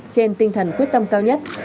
trên tinh thần quyết tâm cao nhất